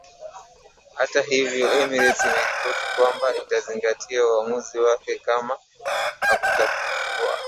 Hata hivyo Emirates imeripoti kwamba itazingatia uamuzi wake kama hakutakuwa